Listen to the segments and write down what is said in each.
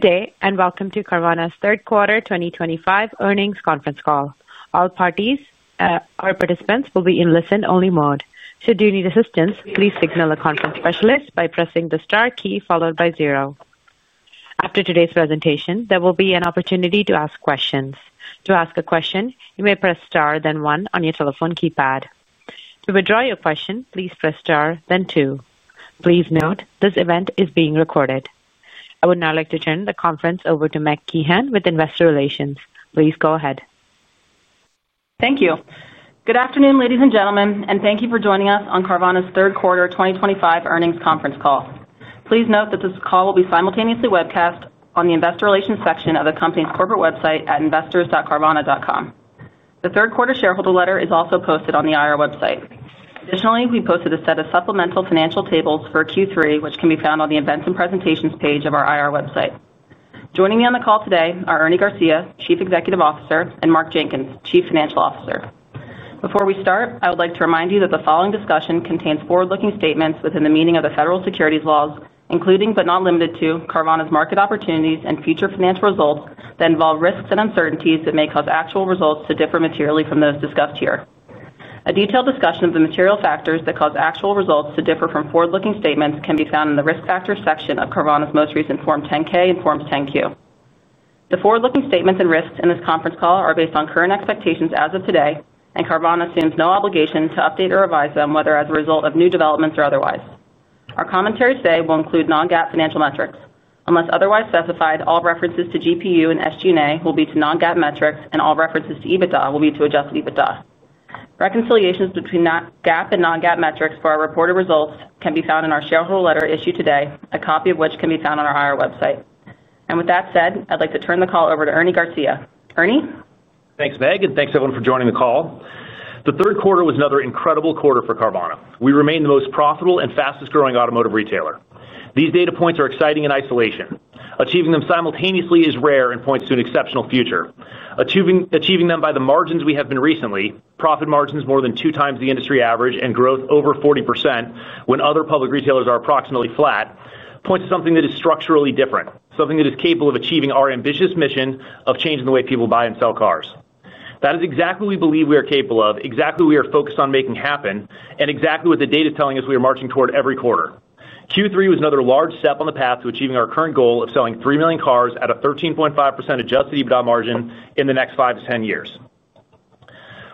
Good day and welcome to Carvana's third quarter 2025 earnings conference call. All parties, our participants will be in listen-only mode. Should you need assistance, please signal a conference specialist by pressing the star key followed by zero. After today's presentation, there will be an opportunity to ask questions. To ask a question, you may press star, then one on your telephone keypad. To withdraw your question, please press star, then two. Please note this event is being recorded. I would now like to turn the conference over to Megan Keene with Investor Relations. Please go ahead. Thank you. Good afternoon, ladies and gentlemen, and thank you for joining us on Carvana's third quarter 2025 earnings conference call. Please note that this call will be simultaneously webcast on the investor relations section of the company's corporate website at investors.carvana.com. The third quarter shareholder letter is also posted on the IR website. Additionally, we posted a set of supplemental financial tables for Q3, which can be found on the events and presentations page of our IR website. Joining me on the call today are Ernie Garcia, Chief Executive Officer, and Mark Jenkins, Chief Financial Officer. Before we start, I would like to remind you that the following discussion contains forward-looking statements within the meaning of the federal securities laws, including but not limited to Carvana's market opportunities and future financial results that involve risks and uncertainties that may cause actual results to differ materially from those discussed here. A detailed discussion of the material factors that cause actual results to differ from forward-looking statements can be found in the risk factors section of Carvana's most recent Form 10-K and Forms 10-Q. The forward-looking statements and risks in this conference call are based on current expectations as of today, and Carvana assumes no obligation to update or revise them, whether as a result of new developments or otherwise. Our commentary today will include non-GAAP financial metrics. Unless otherwise specified, all references to GPU and SG&A will be to non-GAAP metrics, and all references to EBITDA will be to adjusted EBITDA. Reconciliations between GAAP and non-GAAP metrics for our reported results can be found in our shareholder letter issued today, a copy of which can be found on our IR website. With that said, I'd like to turn the call over to Ernie Garcia. Ernie? Thanks, Meg, and thanks everyone for joining the call. The third quarter was another incredible quarter for Carvana. We remain the most profitable and fastest growing automotive retailer. These data points are exciting in isolation. Achieving them simultaneously is rare and points to an exceptional future. Achieving them by the margins we have been recently, profit margins more than two times the industry average and growth over 40% when other public retailers are approximately flat, points to something that is structurally different, something that is capable of achieving our ambitious mission of changing the way people buy and sell cars. That is exactly what we believe we are capable of, exactly what we are focused on making happen, and exactly what the data is telling us we are marching toward every quarter. Q3 was another large step on the path to achieving our current goal of selling 3 million cars at a 13.5% adjusted EBITDA margin in the next 5 to 10 years.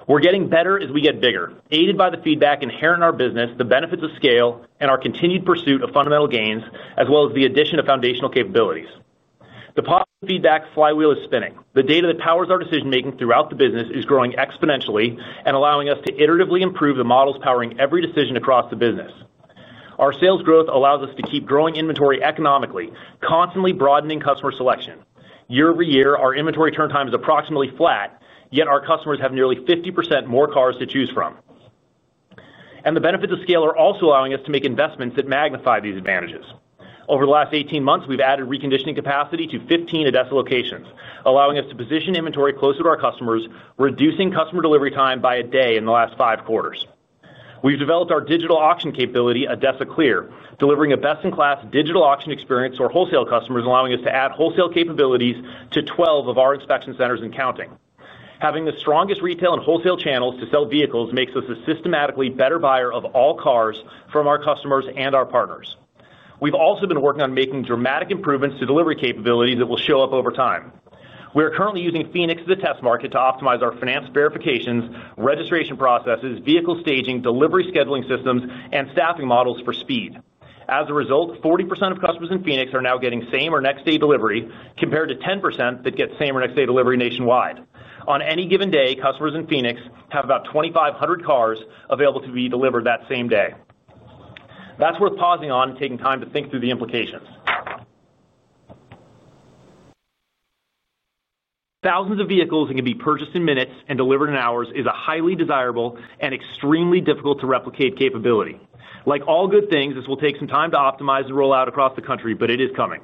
We're getting better as we get bigger, aided by the feedback inherent in our business, the benefits of scale, and our continued pursuit of fundamental gains, as well as the addition of foundational capabilities. The positive feedback flywheel is spinning. The data that powers our decision-making throughout the business is growing exponentially and allowing us to iteratively improve the models powering every decision across the business. Our sales growth allows us to keep growing inventory economically, constantly broadening customer selection. Year over year, our inventory turntime is approximately flat, yet our customers have nearly 50% more cars to choose from. The benefits of scale are also allowing us to make investments that magnify these advantages. Over the last 18 months, we've added reconditioning capacity to 15 ADESA locations, allowing us to position inventory closer to our customers, reducing customer delivery time by a day in the last five quarters. We've developed our digital auction capability, ADESA Clear, delivering a best-in-class digital auction experience to our wholesale customers, allowing us to add wholesale capabilities to 12 of our inspection centers and counting. Having the strongest retail and wholesale channels to sell vehicles makes us a systematically better buyer of all cars from our customers and our partners. We've also been working on making dramatic improvements to delivery capability that will show up over time. We are currently using Phoenix as a test market to optimize our finance verifications, registration processes, vehicle staging, delivery scheduling systems, and staffing models for speed. As a result, 40% of customers in Phoenix are now getting same or next-day delivery, compared to 10% that get same or next-day delivery nationwide. On any given day, customers in Phoenix have about 2,500 cars available to be delivered that same day. That's worth pausing on and taking time to think through the implications. Thousands of vehicles that can be purchased in minutes and delivered in hours is a highly desirable and extremely difficult to replicate capability. Like all good things, this will take some time to optimize the rollout across the country, but it is coming.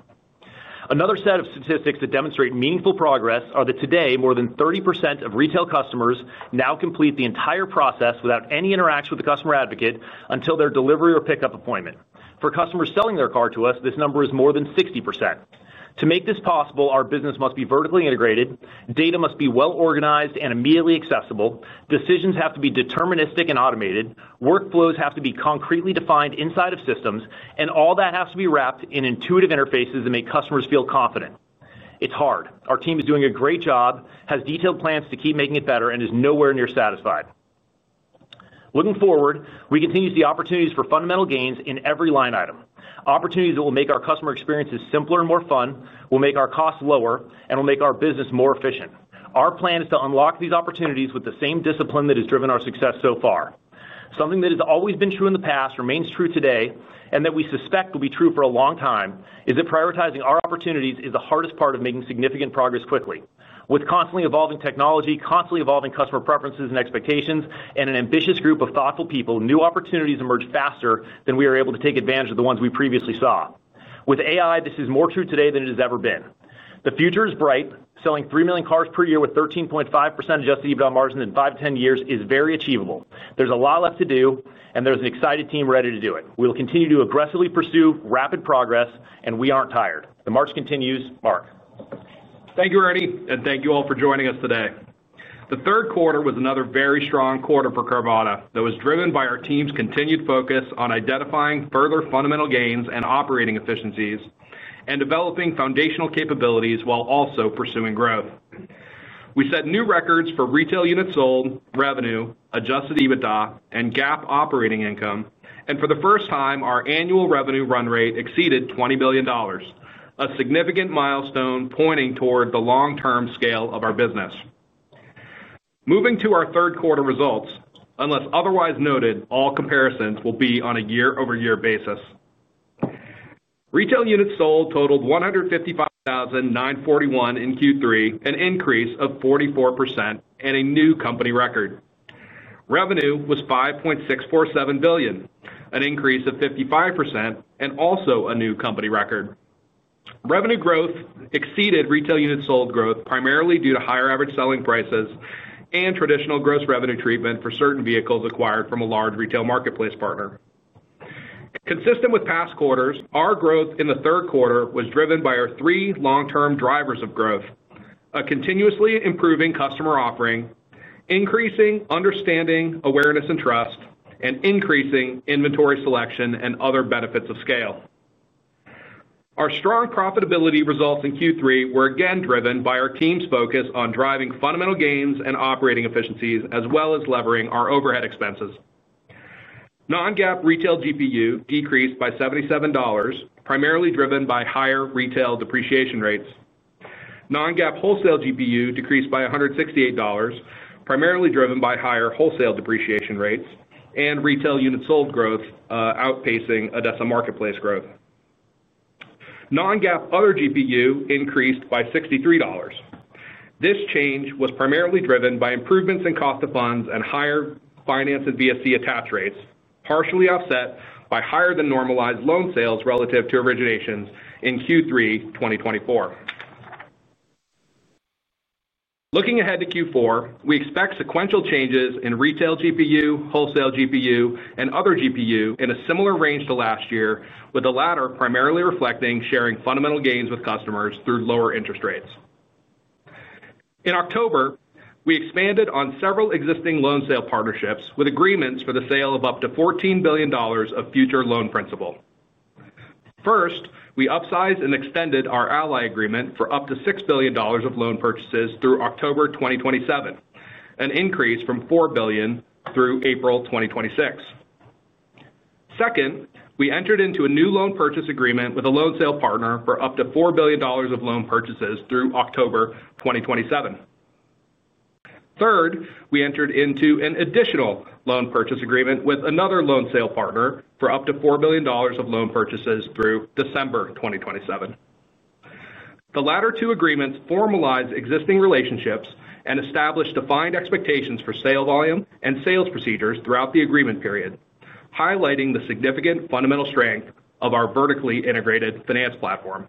Another set of statistics that demonstrate meaningful progress are that today, more than 30% of retail customers now complete the entire process without any interaction with the customer advocate until their delivery or pickup appointment. For customers selling their car to us, this number is more than 60%. To make this possible, our business must be vertically integrated, data must be well-organized and immediately accessible, decisions have to be deterministic and automated, workflows have to be concretely defined inside of systems, and all that has to be wrapped in intuitive interfaces that make customers feel confident. It's hard. Our team is doing a great job, has detailed plans to keep making it better, and is nowhere near satisfied. Looking forward, we continue to see opportunities for fundamental gains in every line item. Opportunities that will make our customer experiences simpler and more fun, will make our costs lower, and will make our business more efficient. Our plan is to unlock these opportunities with the same discipline that has driven our success so far. Something that has always been true in the past, remains true today, and that we suspect will be true for a long time is that prioritizing our opportunities is the hardest part of making significant progress quickly. With constantly evolving technology, constantly evolving customer preferences and expectations, and an ambitious group of thoughtful people, new opportunities emerge faster than we are able to take advantage of the ones we previously saw. With AI, this is more true today than it has ever been. The future is bright. Selling 3 million cars per year with 13.5% adjusted EBITDA margin in 5 to 10 years is very achievable. There's a lot left to do, and there's an excited team ready to do it. We will continue to aggressively pursue rapid progress, and we aren't tired. The march continues, Mark. Thank you, Ernie, and thank you all for joining us today. The third quarter was another very strong quarter for Carvana that was driven by our team's continued focus on identifying further fundamental gains and operating efficiencies and developing foundational capabilities while also pursuing growth. We set new records for retail units sold, revenue, adjusted EBITDA, and GAAP operating income, and for the first time, our annual revenue run rate exceeded $20 billion, a significant milestone pointing toward the long-term scale of our business. Moving to our third quarter results, unless otherwise noted, all comparisons will be on a year-over-year basis. Retail units sold totaled 155,941 in Q3, an increase of 44% and a new company record. Revenue was $5.647 billion, an increase of 55% and also a new company record. Revenue growth exceeded retail units sold growth primarily due to higher average selling prices and traditional gross revenue treatment for certain vehicles acquired from a large retail marketplace partner. Consistent with past quarters, our growth in the third quarter was driven by our three long-term drivers of growth: a continuously improving customer offering, increasing understanding, awareness, and trust, and increasing inventory selection and other benefits of scale. Our strong profitability results in Q3 were again driven by our team's focus on driving fundamental gains and operating efficiencies, as well as levering our overhead expenses. non-GAAP retail GPU decreased by $77, primarily driven by higher retail depreciation rates. Non-GAAP wholesale GPU decreased by $168, primarily driven by higher wholesale depreciation rates and retail units sold growth outpacing ADESA marketplace growth. non-GAAP other GPU increased by $63. This change was primarily driven by improvements in cost of funds and higher finance and VSC attach rates, partially offset by higher than normalized loan sales relative to originations in Q3 2024. Looking ahead to Q4, we expect sequential changes in retail GPU, wholesale GPU, and other GPU in a similar range to last year, with the latter primarily reflecting sharing fundamental gains with customers through lower interest rates. In October, we expanded on several existing loan sale partnerships with agreements for the sale of up to $14 billion of future loan principal. First, we upsized and extended our Ally Financial agreement for up to $6 billion of loan purchases through October 2027, an increase from $4 billion through April 2026. Second, we entered into a new loan purchase agreement with a loan sale partner for up to $4 billion of loan purchases through October 2027. Third, we entered into an additional loan purchase agreement with another loan sale partner for up to $4 billion of loan purchases through December 2027. The latter two agreements formalized existing relationships and established defined expectations for sale volume and sales procedures throughout the agreement period, highlighting the significant fundamental strength of our vertically integrated finance platform.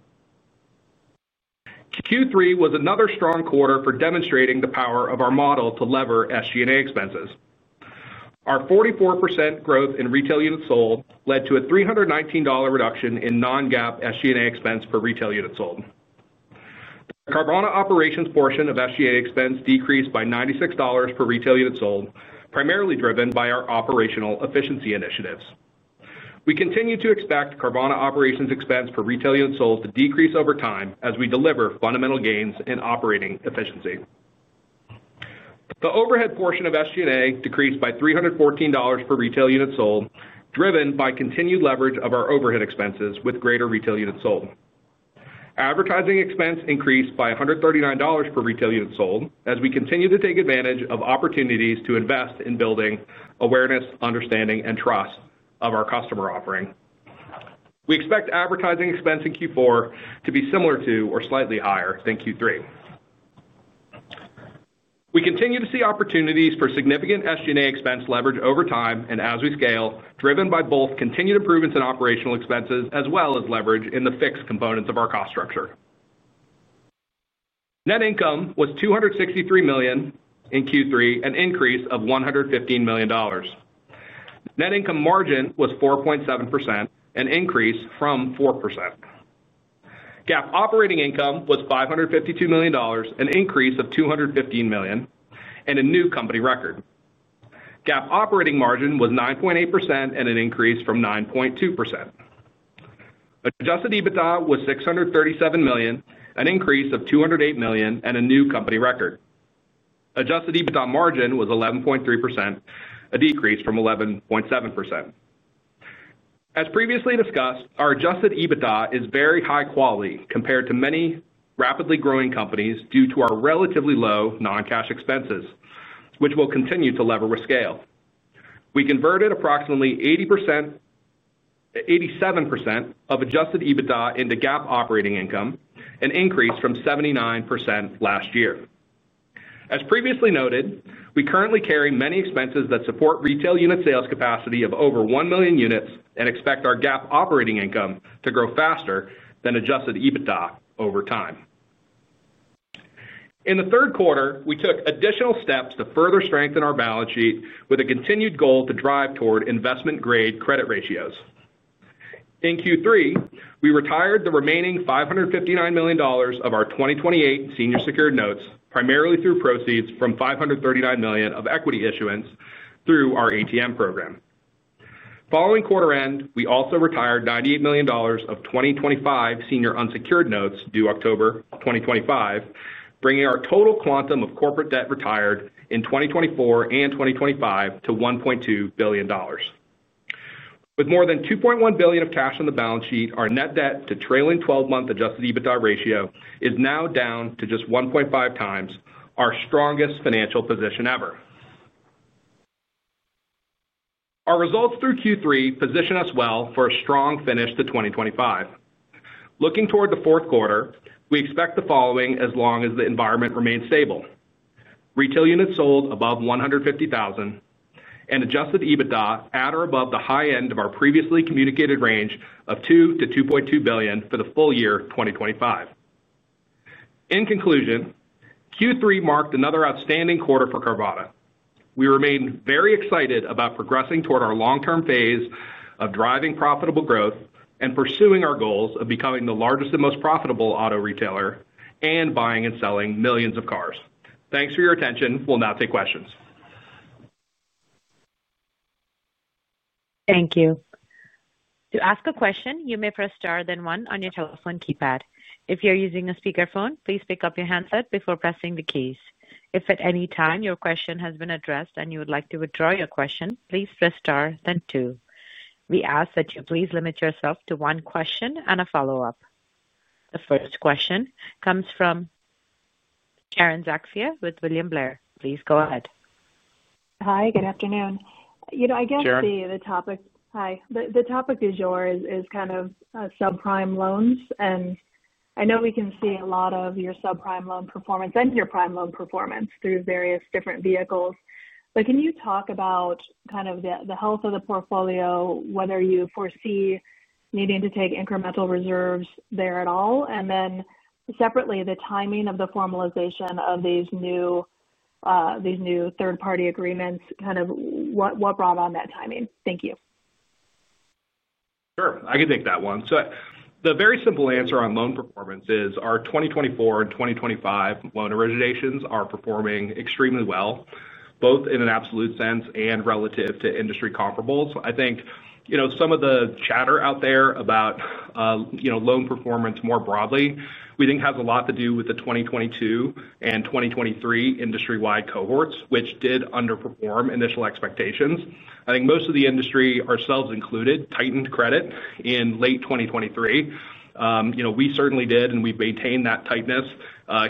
Q3 was another strong quarter for demonstrating the power of our model to lever SG&A expenses. Our 44% growth in retail units sold led to a $319 reduction in non-GAAP SG&A expense per retail unit sold. The Carvana operations portion of SG&A expense decreased by $96 per retail unit sold, primarily driven by our operational efficiency initiatives. We continue to expect Carvana operations expense per retail unit sold to decrease over time as we deliver fundamental gains in operating efficiency. The overhead portion of SG&A decreased by $314 per retail unit sold, driven by continued leverage of our overhead expenses with greater retail units sold. Advertising expense increased by $139 per retail unit sold as we continue to take advantage of opportunities to invest in building awareness, understanding, and trust of our customer offering. We expect advertising expense in Q4 to be similar to or slightly higher than Q3. We continue to see opportunities for significant SG&A expense leverage over time and as we scale, driven by both continued improvements in operational expenses as well as leverage in the fixed components of our cost structure. Net income was $263 million in Q3, an increase of $115 million. Net income margin was 4.7%, an increase from 4%. GAAP operating income was $552 million, an increase of $215 million, and a new company record. GAAP operating margin was 9.8%, an increase from 9.2%. Adjusted EBITDA was $637 million, an increase of $208 million, and a new company record. Adjusted EBITDA margin was 11.3%, a decrease from 11.7%. As previously discussed, our adjusted EBITDA is very high quality compared to many rapidly growing companies due to our relatively low non-cash expenses, which will continue to lever with scale. We converted approximately 80%-87% of adjusted EBITDA into GAAP operating income, an increase from 79% last year. As previously noted, we currently carry many expenses that support retail unit sales capacity of over 1 million units and expect our GAAP operating income to grow faster than adjusted EBITDA over time. In the third quarter, we took additional steps to further strengthen our balance sheet with a continued goal to drive toward investment-grade credit ratios. In Q3, we retired the remaining $559 million of our 2028 senior secured notes, primarily through proceeds from $539 million of equity issuance through our ATM program. Following quarter end, we also retired $98 million of 2025 senior unsecured notes due October 2025, bringing our total quantum of corporate debt retired in 2024 and 2025 to $1.2 billion. With more than $2.1 billion of cash on the balance sheet, our net debt to trailing 12-month adjusted EBITDA ratio is now down to just 1.5 times our strongest financial position ever. Our results through Q3 position us well for a strong finish to 2025. Looking toward the fourth quarter, we expect the following as long as the environment remains stable: retail units sold above 150,000 and adjusted EBITDA at or above the high end of our previously communicated range of $2 billion-$2.2 billion for the full year 2025. In conclusion, Q3 marked another outstanding quarter for Carvana. We remain very excited about progressing toward our long-term phase of driving profitable growth and pursuing our goals of becoming the largest and most profitable auto retailer and buying and selling millions of cars. Thanks for your attention. We'll now take questions. Thank you. To ask a question, you may press star then one on your telephone keypad. If you're using a speakerphone, please pick up your handset before pressing the keys. If at any time your question has been addressed and you would like to withdraw your question, please press star then two. We ask that you please limit yourself to one question and a follow-up. The first question comes from Sharon Zackfia with William Blair. Please go ahead. Hi. Good afternoon. I guess the topic Sharon. Hi. The topic du jour is kind of subprime loans, and I know we can see a lot of your subprime loan performance and your prime loan performance through various different vehicles. Can you talk about kind of the health of the portfolio, whether you foresee needing to take incremental reserves there at all? Separately, the timing of the formalization of these new third-party agreements, kind of what brought on that timing? Thank you. Sure, I can take that one. The very simple answer on loan performance is our 2024 and 2025 loan originations are performing extremely well, both in an absolute sense and relative to industry comparables. I think some of the chatter out there about loan performance more broadly, we think has a lot to do with the 2022 and 2023 industry-wide cohorts, which did underperform initial expectations. I think most of the industry, ourselves included, tightened credit in late 2023. We certainly did, and we've maintained that tightness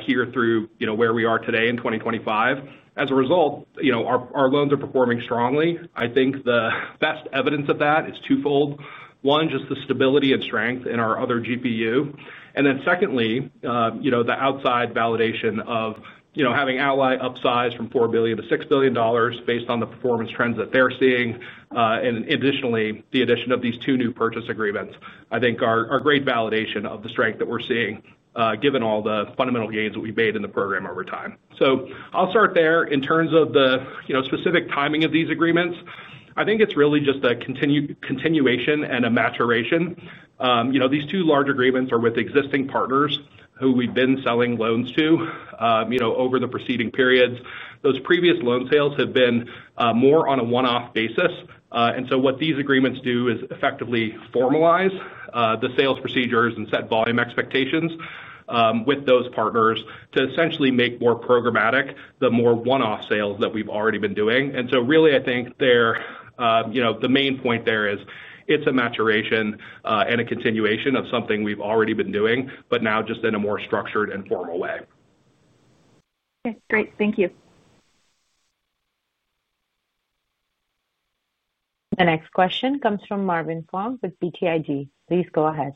here through where we are today in 2025. As a result, our loans are performing strongly. The best evidence of that is twofold. One, just the stability and strength in our other GPU. Secondly, the outside validation of having Ally upsize from $4 billion to $6 billion based on the performance trends that they're seeing, and additionally, the addition of these two new purchase agreements, I think are great validation of the strength that we're seeing given all the fundamental gains that we've made in the program over time. I'll start there. In terms of the specific timing of these agreements, I think it's really just a continuation and a maturation. These two large agreements are with existing partners who we've been selling loans to over the preceding periods. Those previous loan sales have been more on a one-off basis. What these agreements do is effectively formalize the sales procedures and set volume expectations with those partners to essentially make more programmatic the more one-off sales that we've already been doing. The main point there is it's a maturation and a continuation of something we've already been doing, but now just in a more structured and formal way. Okay, great. Thank you. The next question comes from Marvin Fong with BTIG. Please go ahead.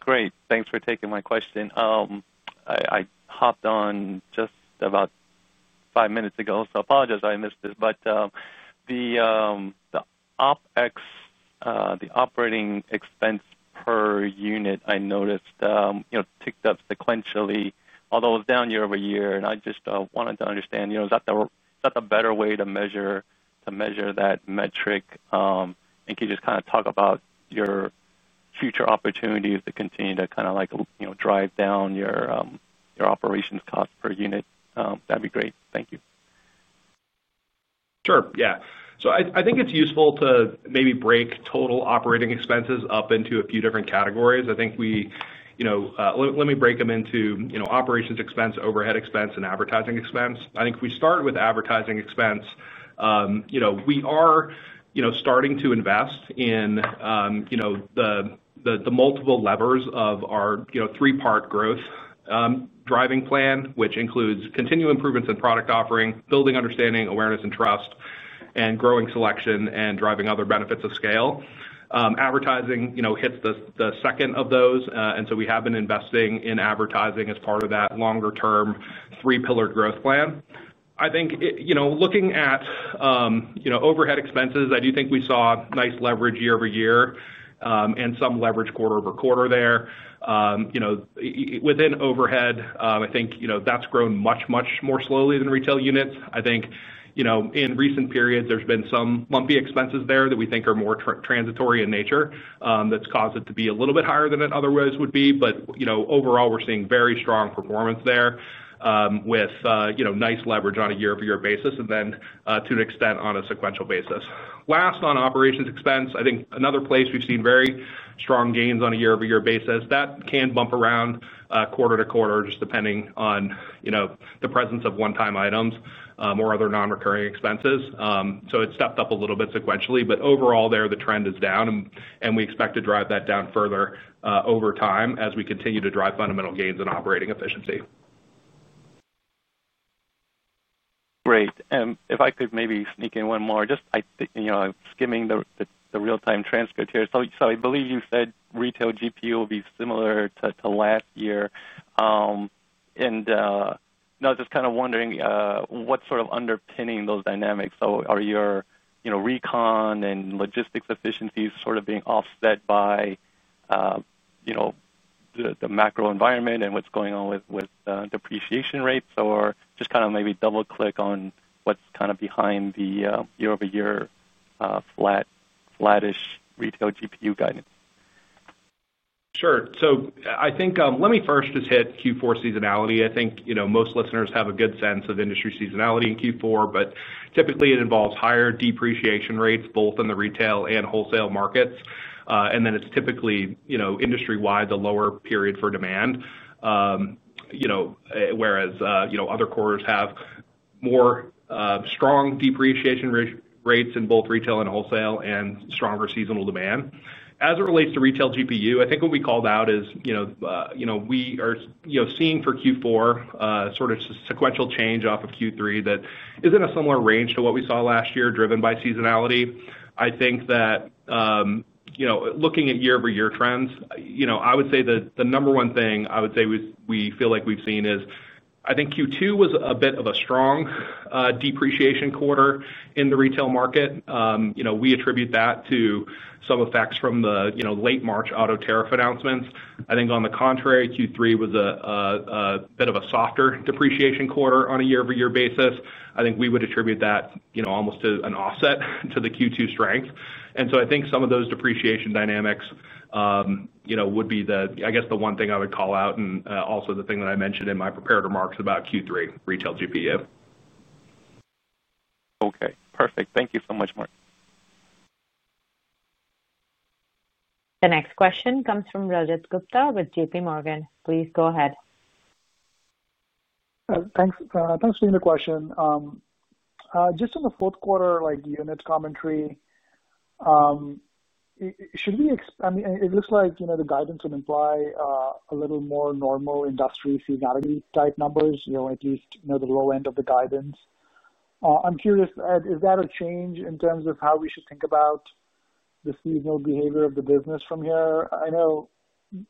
Great. Thanks for taking my question. I hopped on just about five minutes ago, so I apologize I missed it. The operating expense per unit, I noticed, ticked up sequentially, although it was down year over year. I just wanted to understand, is that the better way to measure that metric? Can you just kind of talk about your future opportunities to continue to drive down your operations cost per unit? That'd be great. Thank you. Sure, yeah. I think it's useful to maybe break total operating expenses up into a few different categories. I think we, you know, let me break them into operations expense, overhead expense, and advertising expense. If we start with advertising expense, we are starting to invest in the multiple levers of our three-part growth driving plan, which includes continued improvements in product offering, building understanding, awareness, and trust, and growing selection, and driving other benefits of scale. Advertising hits the second of those. We have been investing in advertising as part of that longer-term three-pillared growth plan. Looking at overhead expenses, I do think we saw nice leverage year over year and some leverage quarter over quarter there. Within overhead, that's grown much, much more slowly than retail units. In recent periods, there's been some lumpy expenses there that we think are more transitory in nature that's caused it to be a little bit higher than it otherwise would be. Overall, we're seeing very strong performance there with nice leverage on a year-over-year basis and then to an extent on a sequential basis. Last, on operations expense, another place we've seen very strong gains on a year-over-year basis. That can bump around quarter to quarter just depending on the presence of one-time items or other non-recurring expenses. It's stepped up a little bit sequentially. Overall there, the trend is down and we expect to drive that down further over time as we continue to drive fundamental gains in operating efficiency. Great. If I could maybe sneak in one more, just skimming the real-time transcript here. I believe you said retail GPU will be similar to last year. I am just kind of wondering what's underpinning those dynamics. Are your recon and logistics efficiencies being offset by the macro environment and what's going on with depreciation rates? Maybe double-click on what's behind the year-over-year flat-ish retail GPU guidance. Sure. I think let me first just hit Q4 seasonality. Most listeners have a good sense of industry seasonality in Q4, but typically it involves higher depreciation rates both in the retail and wholesale markets. It's typically industry-wide the lower period for demand, whereas other quarters have more strong depreciation rates in both retail and wholesale and stronger seasonal demand. As it relates to retail GPU, what we call out is we are seeing for Q4 sort of sequential change off of Q3 that is in a similar range to what we saw last year driven by seasonality. Looking at year-over-year trends, I would say that the number one thing we feel like we've seen is Q2 was a bit of a strong depreciation quarter in the retail market. We attribute that to some effects from the late March auto tariff announcements. On the contrary, Q3 was a bit of a softer depreciation quarter on a year-over-year basis. We would attribute that almost to an offset to the Q2 strength. Some of those depreciation dynamics would be the one thing I would call out and also the thing that I mentioned in my prepared remarks about Q3 retail GPU. Okay, perfect. Thank you so much, Mark. The next question comes from Rajat Gupta with JPMorgan. Please go ahead. Thanks for the question. Just in the fourth quarter, like unit commentary, should we, I mean, it looks like the guidance would imply a little more normal industry seasonality type numbers, at least the low end of the guidance. I'm curious, is that a change in terms of how we should think about the seasonal behavior of the business from here? I know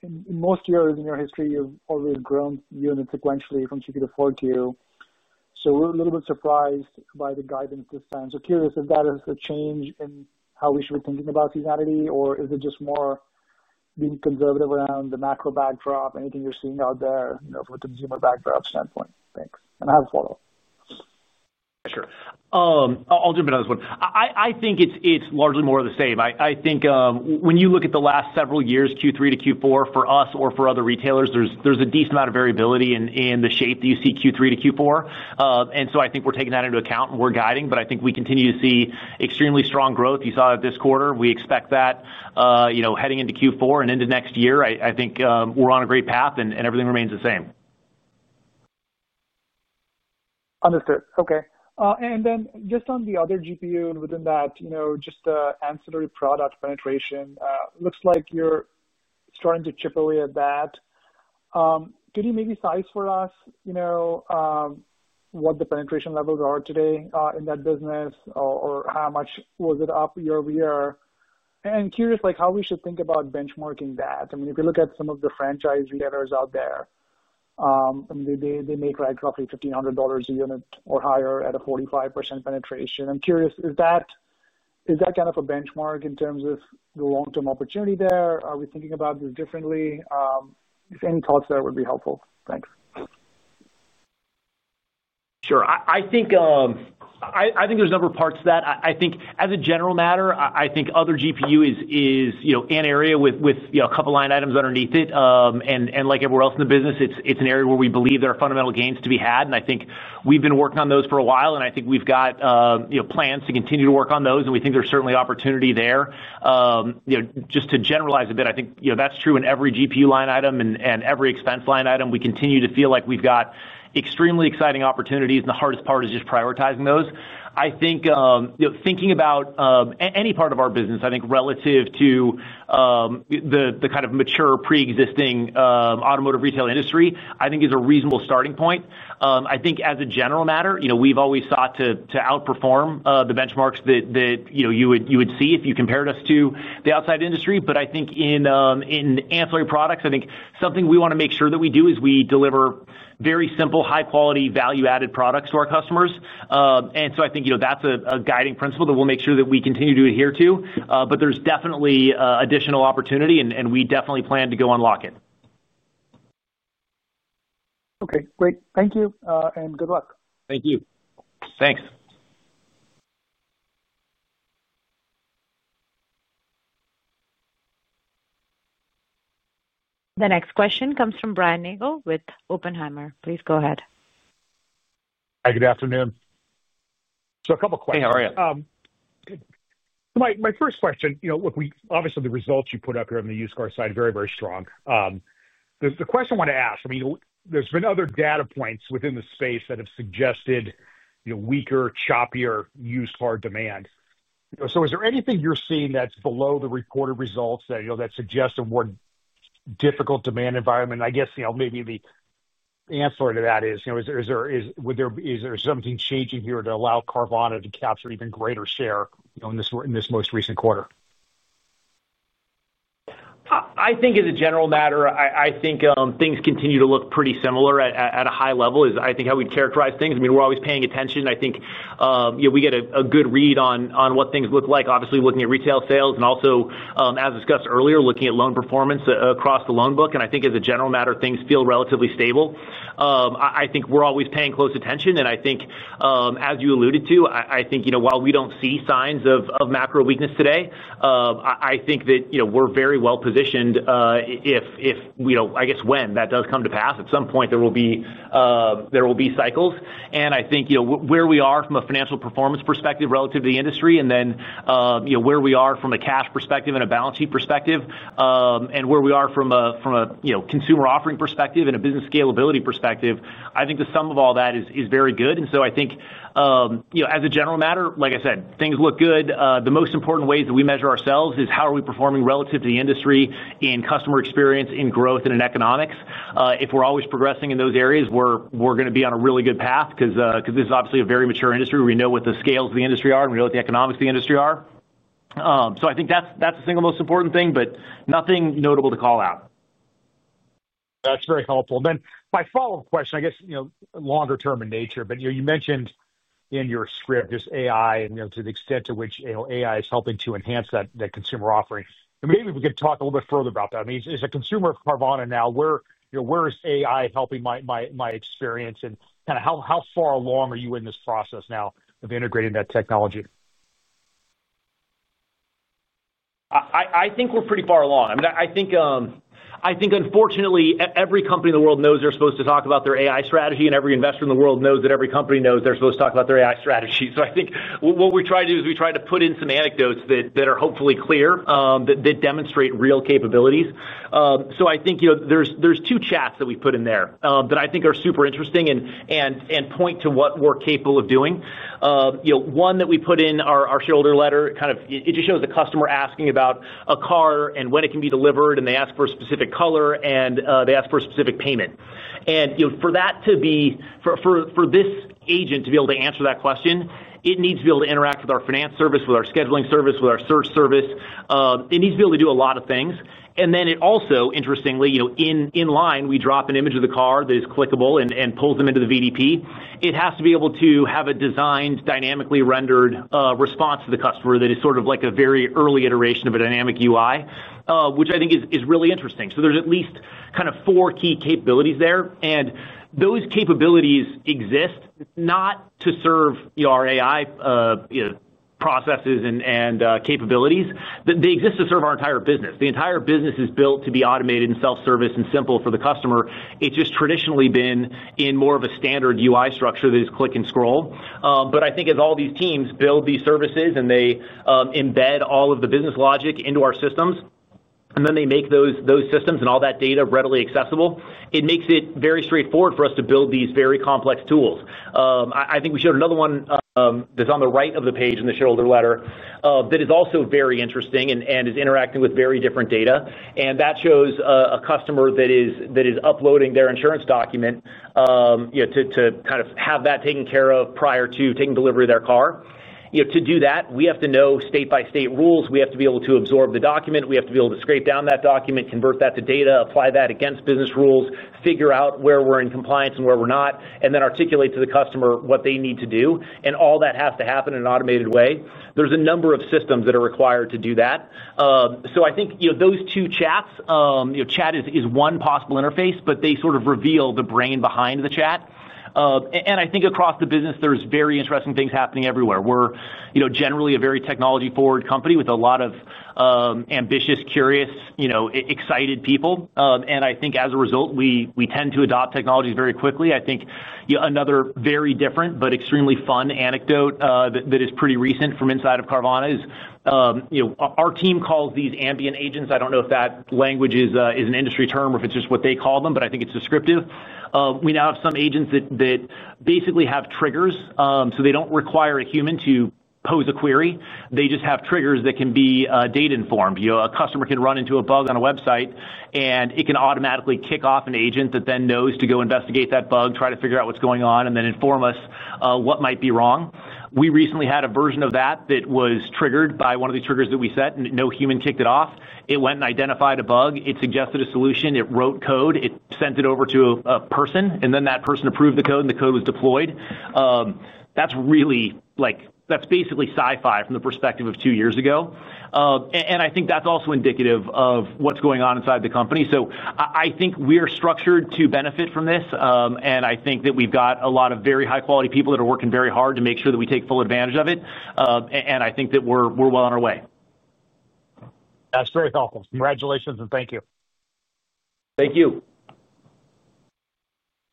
in most years in your history, you've always grown units sequentially from Q2 to Q4. We're a little bit surprised by the guidance this time. I'm curious if that is a change in how we should be thinking about seasonality or is it just more being conservative around the macro backdrop, anything you're seeing out there from a consumer backdrop standpoint? Thanks. I have a follow-up. Sure. I'll jump in on this one. I think it's largely more of the same. I think when you look at the last several years, Q3 to Q4, for us or for other retailers, there's a decent amount of variability in the shape that you see Q3 to Q4. I think we're taking that into account and we're guiding, but I think we continue to see extremely strong growth. You saw that this quarter. We expect that, you know, heading into Q4 and into next year, I think we're on a great path and everything remains the same. Understood. Okay. On the other GPU and within that, just the ancillary product penetration, it looks like you're starting to chip away at that. Can you maybe size for us what the penetration levels are today in that business or how much was it up year over year? I'm curious how we should think about benchmarking that. If you look at some of the franchise letters out there, they make roughly $1,500 a unit or higher at a 45% penetration. I'm curious, is that kind of a benchmark in terms of the long-term opportunity there? Are we thinking about this differently? Any thoughts there would be helpful. Thanks. Sure. I think there's a number of parts to that. I think as a general matter, other GPU is an area with a couple of line items underneath it. Like everywhere else in the business, it's an area where we believe there are fundamental gains to be had. I think we've been working on those for a while, and we've got plans to continue to work on those, and we think there's certainly opportunity there. Just to generalize a bit, that's true in every GPU line item and every expense line item. We continue to feel like we've got extremely exciting opportunities, and the hardest part is just prioritizing those. Thinking about any part of our business relative to the kind of mature pre-existing automotive retail industry is a reasonable starting point. As a general matter, we've always sought to outperform the benchmarks that you would see if you compared us to the outside industry. In ancillary products, something we want to make sure that we do is deliver very simple, high-quality value-added products to our customers. I think that's a guiding principle that we'll make sure that we continue to adhere to. There's definitely additional opportunity, and we definitely plan to go unlock it. Okay, great. Thank you and good luck. Thank you. Thanks. The next question comes from Brian Nagel with Oppenheimer. Please go ahead. Hi, good afternoon. A couple of questions. Hey, how are you? My first question, you know, look, obviously the results you put up here on the used car side are very, very strong. The question I want to ask, I mean, there's been other data points within the space that have suggested, you know, weaker, choppier used car demand. Is there anything you're seeing that's below the reported results that suggest a more difficult demand environment? I guess maybe the answer to that is, is there something changing here to allow Carvana to capture even greater share in this most recent quarter? I think as a general matter, things continue to look pretty similar at a high level, is I think how we characterize things. We're always paying attention. I think we get a good read on what things look like, obviously looking at retail sales and also, as discussed earlier, looking at loan performance across the loan book. As a general matter, things feel relatively stable. We're always paying close attention. As you alluded to, while we don't see signs of macro weakness today, I think that we're very well positioned. If, when that does come to pass, at some point there will be cycles. Where we are from a financial performance perspective relative to the industry and then where we are from a cash perspective and a balance sheet perspective and where we are from a consumer offering perspective and a business scalability perspective, the sum of all that is very good. As a general matter, like I said, things look good. The most important ways that we measure ourselves is how are we performing relative to the industry in customer experience, in growth, and in economics. If we're always progressing in those areas, we're going to be on a really good path because this is obviously a very mature industry. We know what the scales of the industry are and we know what the economics of the industry are. I think that's the single most important thing, but nothing notable to call out. That's very helpful. My follow-up question, I guess, is longer term in nature. You mentioned in your script there's AI and, to the extent to which AI is helping to enhance that consumer offering, maybe we could talk a little bit further about that. I mean, as a consumer of Carvana now, where is AI helping my experience and kind of how far along are you in this process now of integrating that technology? I think we're pretty far along. I mean, unfortunately, every company in the world knows they're supposed to talk about their AI strategy, and every investor in the world knows that every company knows they're supposed to talk about their AI strategy. I think what we try to do is we try to put in some anecdotes that are hopefully clear, that demonstrate real capabilities. I think there are two chats that we put in there that I think are super interesting and point to what we're capable of doing. One that we put in our shareholder letter just shows a customer asking about a car and when it can be delivered, and they ask for a specific color and they ask for a specific payment. For that to be, for this agent to be able to answer that question, it needs to be able to interact with our finance service, with our scheduling service, with our search service. It needs to be able to do a lot of things. It also, interestingly, in line, we drop an image of the car that is clickable and pulls them into the VDP. It has to be able to have a designed dynamically rendered response to the customer that is sort of like a very early iteration of a dynamic UI, which I think is really interesting. There are at least four key capabilities there. Those capabilities exist not to serve our AI processes and capabilities. They exist to serve our entire business. The entire business is built to be automated and self-service and simple for the customer. It's just traditionally been in more of a standard UI structure that is click and scroll. As all these teams build these services and they embed all of the business logic into our systems, and then they make those systems and all that data readily accessible, it makes it very straightforward for us to build these very complex tools. I think we showed another one that's on the right of the page in the shareholder letter that is also very interesting and is interacting with very different data. That shows a customer that is uploading their insurance document to have that taken care of prior to taking delivery of their car. To do that, we have to know state-by-state rules. We have to be able to absorb the document. We have to be able to scrape down that document, convert that to data, apply that against business rules, figure out where we're in compliance and where we're not, and then articulate to the customer what they need to do. All that has to happen in an automated way. There are a number of systems that are required to do that. I think those two chats, you know, chat is one possible interface, but they sort of reveal the brain behind the chat. I think across the business, there are very interesting things happening everywhere. We're generally a very technology-forward company with a lot of ambitious, curious, excited people. I think as a result, we tend to adopt technologies very quickly. Another very different but extremely fun anecdote that is pretty recent from inside of Carvana is, our team calls these ambient agents. I don't know if that language is an industry term or if it's just what they call them, but I think it's descriptive. We now have some agents that basically have triggers. They don't require a human to pose a query. They just have triggers that can be data-informed. A customer can run into a bug on a website, and it can automatically kick off an agent that then knows to go investigate that bug, try to figure out what's going on, and then inform us what might be wrong. We recently had a version of that that was triggered by one of the triggers that we set, and no human kicked it off. It went and identified a bug. It suggested a solution. It wrote code. It sent it over to a person, and then that person approved the code, and the code was deployed. That's really like, that's basically sci-fi from the perspective of two years ago. I think that's also indicative of what's going on inside the company. I think we are structured to benefit from this, and I think that we've got a lot of very high-quality people that are working very hard to make sure that we take full advantage of it. I think that we're well on our way. That's very thoughtful. Congratulations and thank you. Thank you.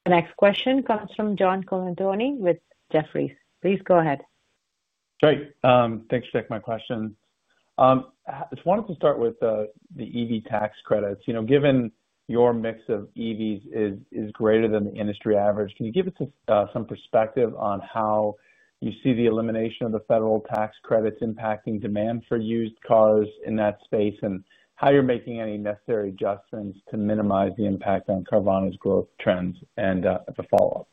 The next question comes from John Colantuoni with Jefferies. Please go ahead. Great. Thanks for taking my question. I just wanted to start with the EV tax credits. You know, given your mix of EVs is greater than the industry average, can you give us some perspective on how you see the elimination of the federal tax credits impacting demand for used cars in that space, and how you're making any necessary adjustments to minimize the impact on Carvana's growth trends and the follow-up?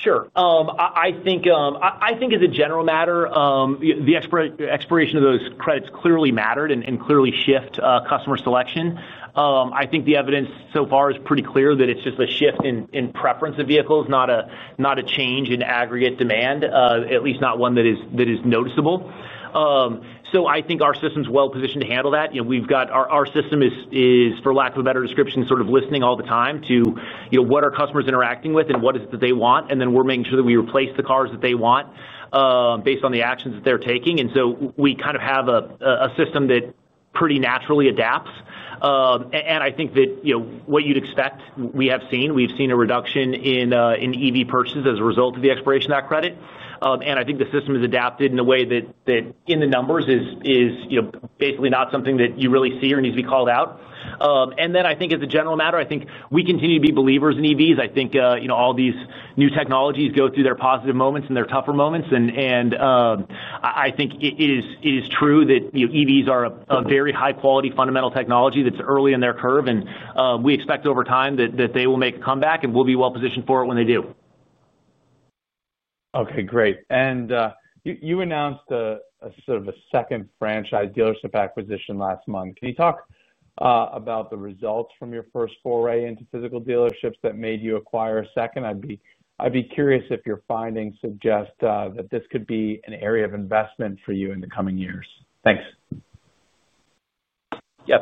Sure. I think as a general matter, the expiration of those credits clearly mattered and clearly shifts customer selection. I think the evidence so far is pretty clear that it's just a shift in preference of vehicles, not a change in aggregate demand, at least not one that is noticeable. I think our system's well-positioned to handle that. We've got our system, for lack of a better description, sort of listening all the time to what customers are interacting with and what it is that they want. We're making sure that we replace the cars that they want based on the actions that they're taking. We kind of have a system that pretty naturally adapts. What you'd expect, we have seen. We've seen a reduction in EV purchases as a result of the expiration of that credit. I think the system has adapted in a way that, in the numbers, is basically not something that you really see or needs to be called out. As a general matter, I think we continue to be believers in EVs. All these new technologies go through their positive moments and their tougher moments. I think it is true that EVs are a very high-quality fundamental technology that's early in their curve. We expect over time that they will make a comeback and we'll be well-positioned for it when they do. Okay, great. You announced a sort of a second franchise dealership acquisition last month. Can you talk about the results from your first foray into physical dealerships that made you acquire a second? I'd be curious if your findings suggest that this could be an area of investment for you in the coming years. Thanks.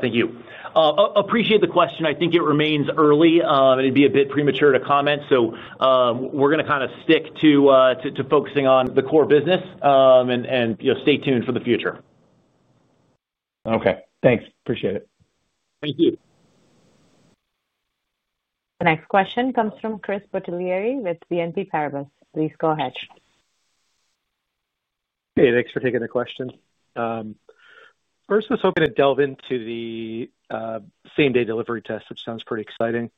Thank you. Appreciate the question. I think it remains early. It'd be a bit premature to comment. We're going to kind of stick to focusing on the core business and, you know, stay tuned for the future. Okay, thanks. Appreciate it. Thank you. The next question comes from Chris Bottiglieri with BNP Paribas. Please go ahead. Hey, thanks for taking the question. First, I was hoping to delve into the same-day delivery test, which sounds pretty exciting.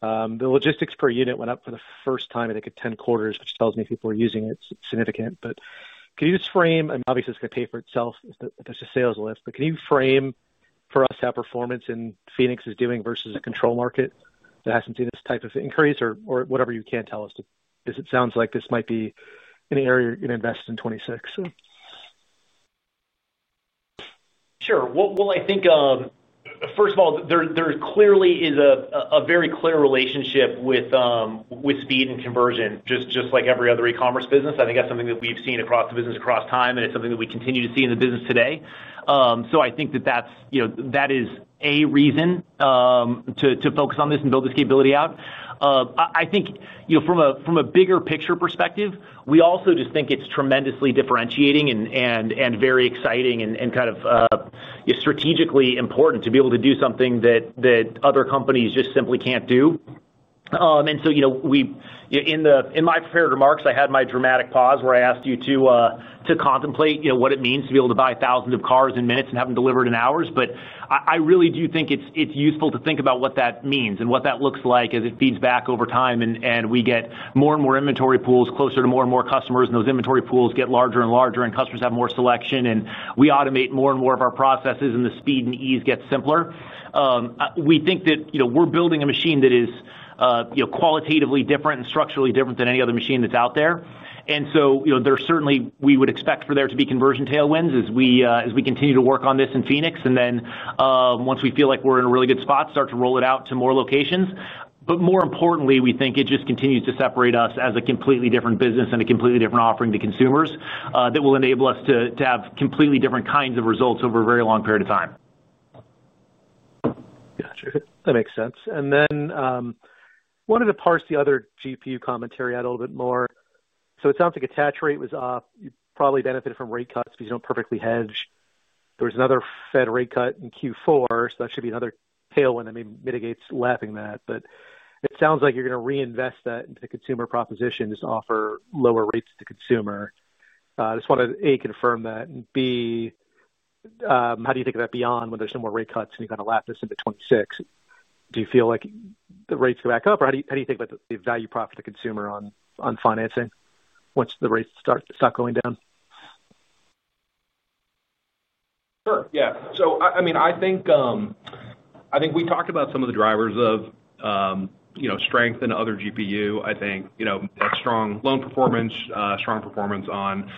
The logistics per unit went up for the first time, I think, in 10 quarters, which tells me people are using it. It's significant. Can you just frame, I mean, obviously, it's going to pay for itself if there's a sales lift, but can you frame for us how performance in Phoenix is doing versus a control market that hasn't seen this type of increase or whatever you can tell us? It sounds like this might be an area you're going to invest in 2026. I think, first of all, there clearly is a very clear relationship with speed and conversion, just like every other e-commerce business. I think that's something that we've seen across the business across time, and it's something that we continue to see in the business today. I think that that's a reason to focus on this and build this capability out. From a bigger picture perspective, we also just think it's tremendously differentiating and very exciting and kind of strategically important to be able to do something that other companies just simply can't do. In my prepared remarks, I had my dramatic pause where I asked you to contemplate what it means to be able to buy thousands of cars in minutes and have them delivered in hours. I really do think it's useful to think about what that means and what that looks like as it feeds back over time and we get more and more inventory pools closer to more and more customers and those inventory pools get larger and larger and customers have more selection and we automate more and more of our processes and the speed and ease get simpler. We think that we're building a machine that is qualitatively different and structurally different than any other machine that's out there. There certainly we would expect for there to be conversion tailwinds as we continue to work on this in Phoenix. Once we feel like we're in a really good spot, start to roll it out to more locations. More importantly, we think it just continues to separate us as a completely different business and a completely different offering to consumers that will enable us to have completely different kinds of results over a very long period of time. Gotcha. That makes sense. One of the parts of the other GPU commentary I had a little bit more. It sounds like attach rate was up. You probably benefited from rate cuts because you do not perfectly hedge. There was another Fed rate cut in Q4. That should be another tailwind that maybe mitigates lapping that. It sounds like you are going to reinvest that into the consumer proposition, just offer lower rates to the consumer. I just want to, A, confirm that. B, how do you think of that beyond when there are some more rate cuts and you kind of lap this into 2026? Do you feel like the rates go back up or how do you think about the value profit to consumer on financing once the rates start going down? Sure. I think we talked about some of the drivers of strength in other GPU. I think that strong loan performance, strong performance on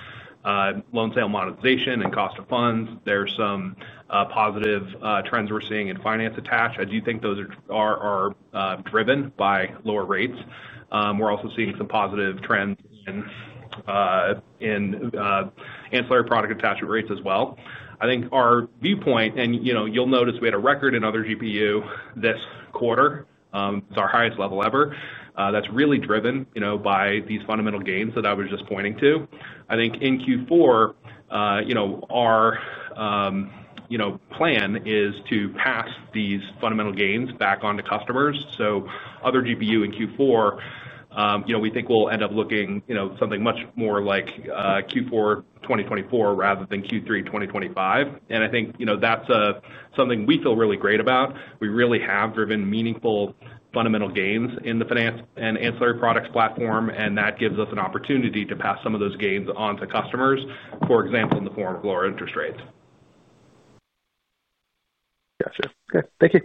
loan sale monetization, and cost of funds. There are some positive trends we're seeing in finance attach. I do think those are driven by lower rates. We're also seeing some positive trends in ancillary product attachment rates as well. I think our viewpoint, and you'll notice we had a record in other GPU this quarter. It's our highest level ever. That's really driven by these fundamental gains that I was just pointing to. I think in Q4, our plan is to pass these fundamental gains back onto customers. Other GPU in Q4, we think will end up looking something much more like Q4 2024 rather than Q3 2025. I think that's something we feel really great about. We really have driven meaningful fundamental gains in the finance and ancillary products platform, and that gives us an opportunity to pass some of those gains onto customers, for example, in the form of lower interest rates. Gotcha. Okay. Thank you.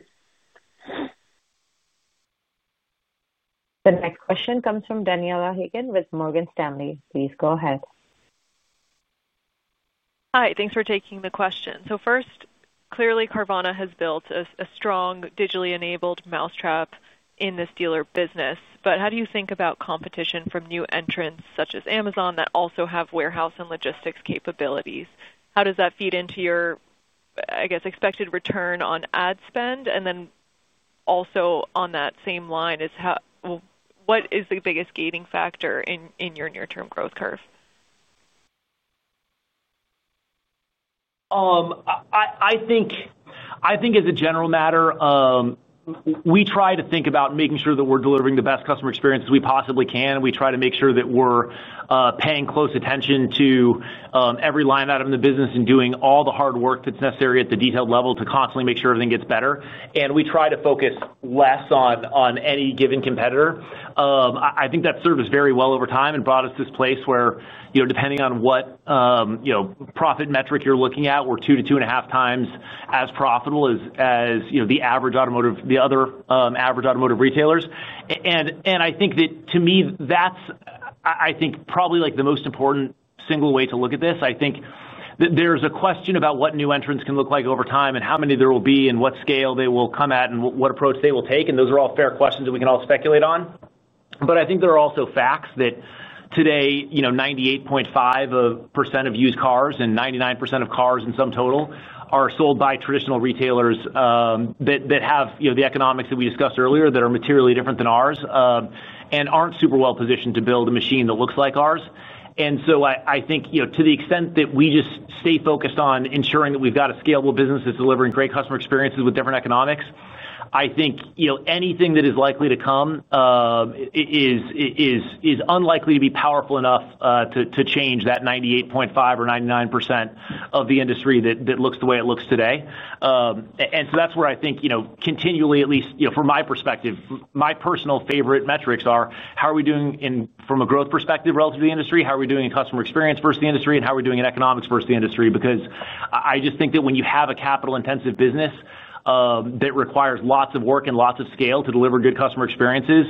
The next question comes from Daniela Haigian with Morgan Stanley. Please go ahead. Hi, thanks for taking the question. First, clearly Carvana has built a strong digitally enabled mousetrap in this dealer business. How do you think about competition from new entrants such as Amazon that also have warehouse and logistics capabilities? How does that feed into your, I guess, expected return on ad spend? On that same line, what is the biggest gating factor in your near-term growth curve? I think as a general matter, we try to think about making sure that we're delivering the best customer experience as we possibly can. We try to make sure that we're paying close attention to every line item in the business and doing all the hard work that's necessary at the detailed level to constantly make sure everything gets better. We try to focus less on any given competitor. I think that served us very well over time and brought us to this place where, depending on what profit metric you're looking at, we're two to two and a half times as profitable as the average automotive, the other average automotive retailers. I think that to me, that's probably like the most important single way to look at this. I think that there's a question about what new entrants can look like over time and how many there will be and what scale they will come at and what approach they will take. Those are all fair questions that we can all speculate on. There are also facts that today, 98.5% of used cars and 99% of cars in sum total are sold by traditional retailers that have the economics that we discussed earlier that are materially different than ours and aren't super well positioned to build a machine that looks like ours. I think to the extent that we just stay focused on ensuring that we've got a scalable business that's delivering great customer experiences with different economics, anything that is likely to come is unlikely to be powerful enough to change that 98.5% or 99% of the industry that looks the way it looks today. That's where I think, continually, at least from my perspective, my personal favorite metrics are how are we doing from a growth perspective relative to the industry, how are we doing in customer experience versus the industry, and how are we doing in economics versus the industry? I just think that when you have a capital-intensive business that requires lots of work and lots of scale to deliver good customer experiences,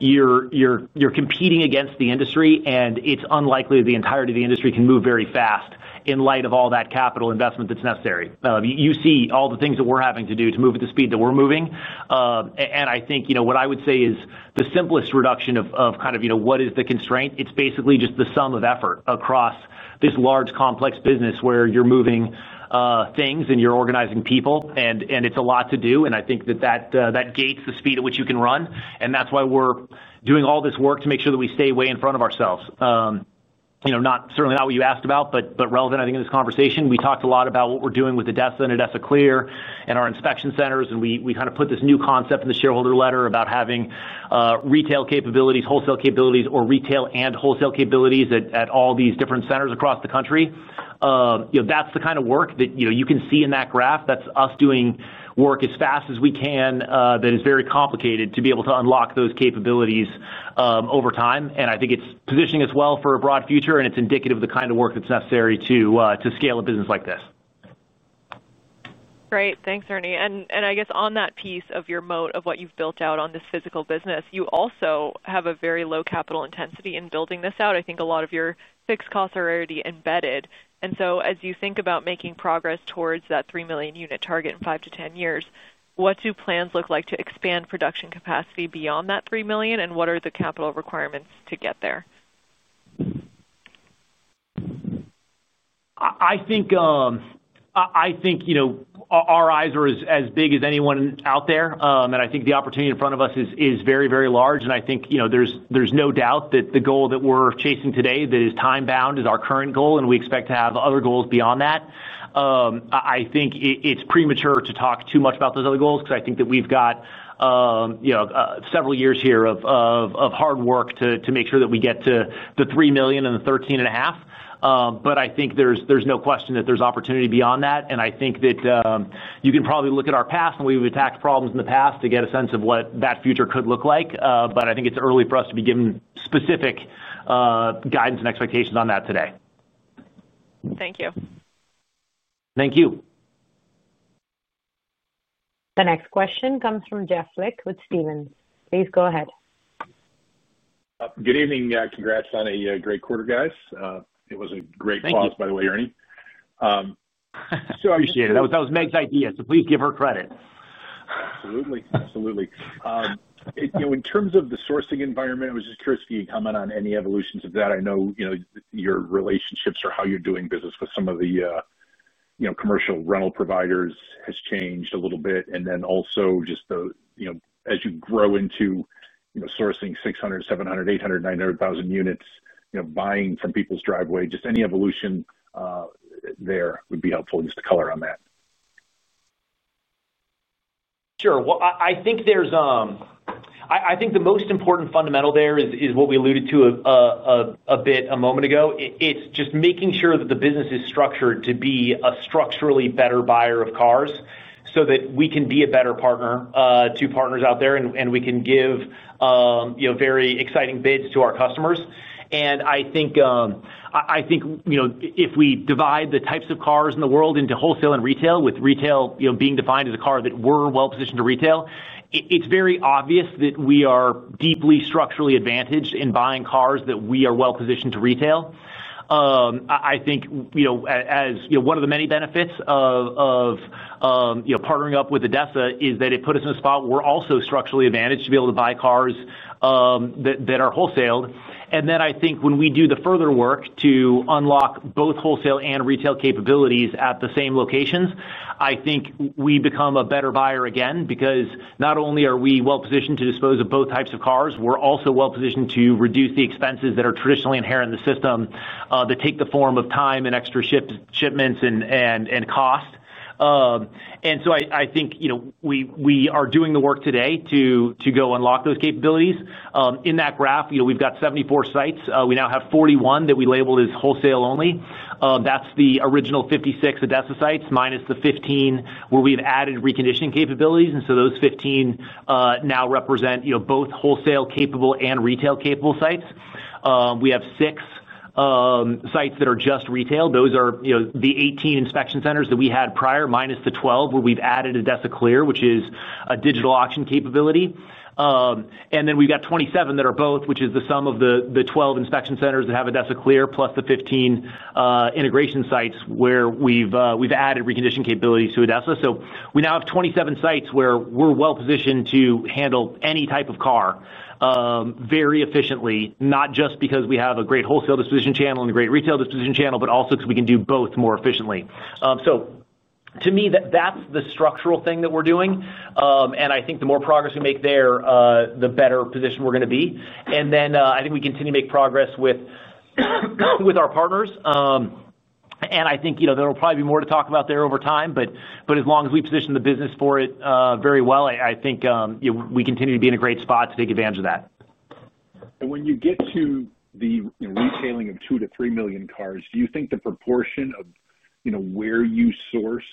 you're competing against the industry, and it's unlikely that the entirety of the industry can move very fast in light of all that capital investment that's necessary. You see all the things that we're having to do to move at the speed that we're moving. I think what I would say is the simplest reduction of kind of what is the constraint? It's basically just the sum of effort across this large, complex business where you're moving things and you're organizing people, and it's a lot to do. I think that gates the speed at which you can run. That's why we're doing all this work to make sure that we stay way in front of ourselves. Not certainly what you asked about, but relevant, I think, in this conversation. We talked a lot about what we're doing with ADESA and ADESA Clear and our inspection centers. We kind of put this new concept in the shareholder letter about having retail capabilities, wholesale capabilities, or retail and wholesale capabilities at all these different centers across the country. That's the kind of work that you can see in that graph. That's us doing work as fast as we can that is very complicated to be able to unlock those capabilities over time. I think it's positioning us well for a broad future, and it's indicative of the kind of work that's necessary to scale a business like this. Great. Thanks, Ernie. I guess on that piece of your moat of what you've built out on this physical business, you also have a very low capital intensity in building this out. I think a lot of your fixed costs are already embedded. As you think about making progress towards that 3 million unit target in 5 to 10 years, what do plans look like to expand production capacity beyond that 3 million? What are the capital requirements to get there? I think our eyes are as big as anyone out there. I think the opportunity in front of us is very, very large. I think there's no doubt that the goal that we're chasing today that is time-bound is our current goal, and we expect to have other goals beyond that. I think it's premature to talk too much about those other goals because we've got several years here of hard work to make sure that we get to the 3 million and the 13.5. I think there's no question that there's opportunity beyond that. You can probably look at our past and the way we've attacked problems in the past to get a sense of what that future could look like. I think it's early for us to be giving specific guidance and expectations on that today. Thank you. Thank you. The next question comes from Jeff Lick with Stephens. Please go ahead. Good evening. Congrats on a great quarter, guys. It was a great pause, by the way, Ernie. Appreciate it. That was Meg's idea, so please give her credit. Absolutely. In terms of the sourcing environment, I was just curious if you could comment on any evolutions of that. I know your relationships or how you're doing business with some of the commercial rental providers has changed a little bit. Also, as you grow into sourcing 600,000, 700,000, 800,000, 900,000 units, buying from people's driveway, any evolution there would be helpful just to color on that. I think the most important fundamental there is what we alluded to a bit a moment ago. It's just making sure that the business is structured to be a structurally better buyer of cars so that we can be a better partner to partners out there and we can give, you know, very exciting bids to our customers. I think, you know, if we divide the types of cars in the world into wholesale and retail, with retail being defined as a car that we're well-positioned to retail, it's very obvious that we are deeply structurally advantaged in buying cars that we are well-positioned to retail. I think, you know, as one of the many benefits of partnering up with ADESA is that it put us in a spot where we're also structurally advantaged to be able to buy cars that are wholesaled. I think when we do the further work to unlock both wholesale and retail capabilities at the same locations, we become a better buyer again because not only are we well-positioned to dispose of both types of cars, we're also well-positioned to reduce the expenses that are traditionally inherent in the system that take the form of time and extra shipments and cost. I think, you know, we are doing the work today to go unlock those capabilities. In that graph, we've got 74 sites. We now have 41 that we labeled as wholesale only. That's the original 56 ADESA sites minus the 15 where we've added reconditioning capabilities. Those 15 now represent both wholesale capable and retail capable sites. We have six sites that are just retail. Those are the 18 inspection centers that we had prior minus the 12 where we've added ADESA Clear, which is a digital auction capability. We've got 27 that are both, which is the sum of the 12 inspection centers that have ADESA Clear plus the 15 integration sites where we've added reconditioning capabilities to ADESA. We now have 27 sites where we're well-positioned to handle any type of car very efficiently, not just because we have a great wholesale disposition channel and a great retail disposition channel, but also because we can do both more efficiently. To me, that's the structural thing that we're doing. I think the more progress we make there, the better position we're going to be. I think we continue to make progress with our partners. I think there will probably be more to talk about there over time. As long as we position the business for it very well, I think we continue to be in a great spot to take advantage of that. When you get to the retailing of two to three million cars, do you think the proportion of, you know, where you source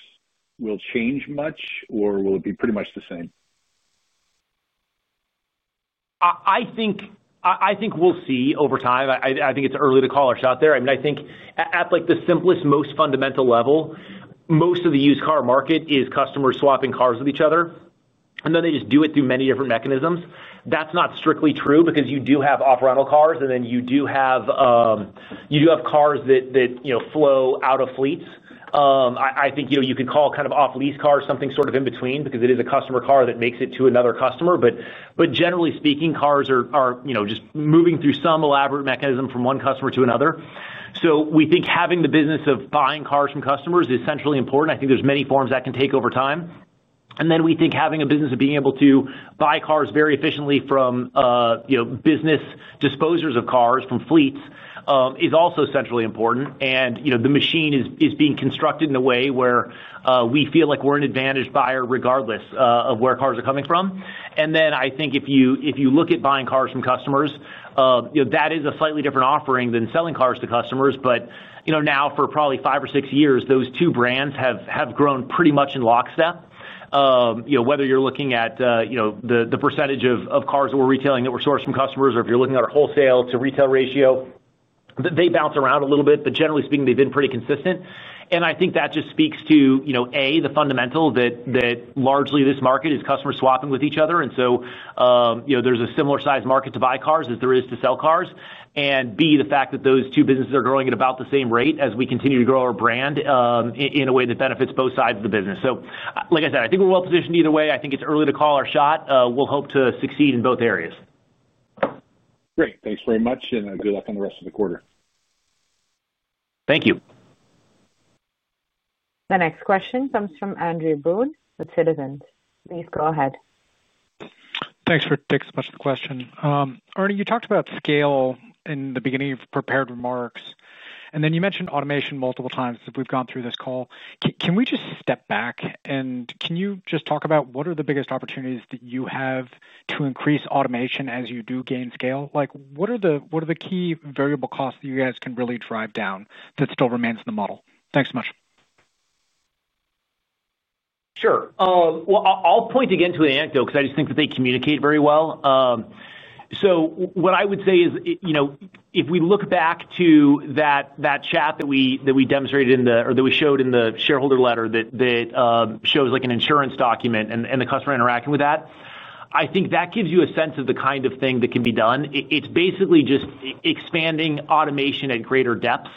will change much, or will it be pretty much the same? I think we'll see over time. I think it's early to call a shot there. I mean, I think at the simplest, most fundamental level, most of the used car market is customers swapping cars with each other, and they just do it through many different mechanisms. That's not strictly true because you do have off-rental cars, and you do have cars that flow out of fleets. I think you could call kind of off-lease cars something sort of in between because it is a customer car that makes it to another customer. Generally speaking, cars are just moving through some elaborate mechanism from one customer to another. We think having the business of buying cars from customers is essentially important. There are many forms that can take over time. We think having a business of being able to buy cars very efficiently from business disposers of cars from fleets is also centrally important. The machine is being constructed in a way where we feel like we're an advantaged buyer regardless of where cars are coming from. If you look at buying cars from customers, that is a slightly different offering than selling cars to customers. Now for probably five or six years, those two brands have grown pretty much in lockstep. Whether you're looking at the percentage of cars that we're retailing that we're sourced from customers, or if you're looking at our wholesale to retail ratio, they bounce around a little bit. Generally speaking, they've been pretty consistent. I think that just speaks to, A, the fundamental that largely this market is customers swapping with each other, so there's a similar size market to buy cars as there is to sell cars, and B, the fact that those two businesses are growing at about the same rate as we continue to grow our brand in a way that benefits both sides of the business. Like I said, I think we're well-positioned either way. I think it's early to call our shot. We'll hope to succeed in both areas. Great. Thanks very much. Good luck on the rest of the quarter. Thank you. The next question comes from Andrew Boone with Citizens. Please go ahead. Thanks for taking so much of the question. Ernie, you talked about scale in the beginning of prepared remarks. You mentioned automation multiple times as we've gone through this call. Can we just step back and can you just talk about what are the biggest opportunities that you have to increase automation as you do gain scale? What are the key variable costs that you guys can really drive down that still remains in the model? Thanks so much. Sure. I'll point again to the anecdote because I just think that they communicate very well. What I would say is, if we look back to that chat that we demonstrated in the or that we showed in the shareholder letter that shows like an insurance document and the customer interacting with that, I think that gives you a sense of the kind of thing that can be done. It's basically just expanding automation at greater depth